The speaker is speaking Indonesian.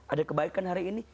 ada kebaikan hari ini